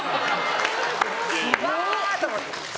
うわー！と思って。